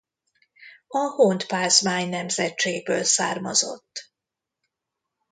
A Hontpázmány nemzetségből származott.